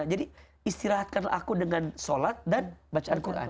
jadi istirahatkanlah aku dengan sholat dan bacaan al quran